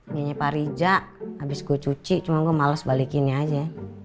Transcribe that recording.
nyanyi parija abis gue cuci cuma gue males balikinnya aja